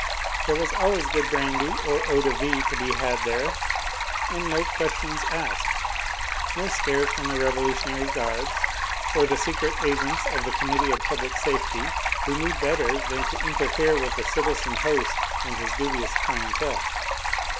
There was always good brandy or eau de vie to be had there, and no questions asked, no scares from the revolutionary guards or the secret agents of the Committee of Public Safety, who knew better than to interfere with the citizen host and his dubious clientele.